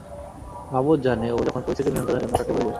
মাবুদ জানে, ও তখন পরিস্থিতি নিয়ন্ত্রনের জন্য কাকে বলি দেবে!